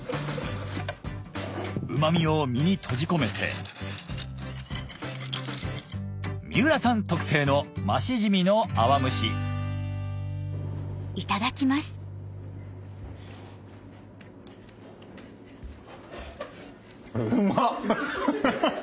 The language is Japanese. うまみを身に閉じ込めて三浦さん特製のマシジミの泡蒸しうまっ！